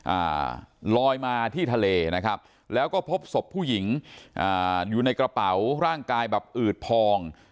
อ่าลอยมาที่ทะเลนะครับแล้วก็พบศพผู้หญิงอ่าอยู่ในกระเป๋าร่างกายแบบอืดพอง